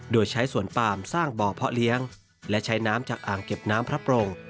โดยใช้สวนปามสร้างบ่อเพาะเลี้ยงและใช้น้ำจากอ่างเก็บน้ำพระปรง